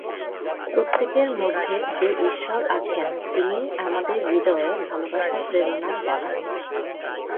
প্রত্যেকের মধ্যে যে ঈশ্বর আছেন, তিনিই আমাদের হৃদয়ে ভালবাসার প্রেরণা জাগান।